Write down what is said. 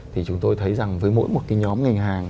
thì chúng tôi thấy rằng với mỗi một cái nhóm ngành hàng